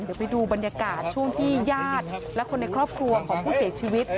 เดี๋ยวไปดูบรรยากาศช่วงที่ญาติและคนในครอบครัวของผู้เสียชีวิต